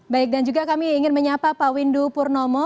baik dan juga kami ingin menyapa pak windu purnomo